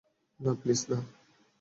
না, প্লিজ, না!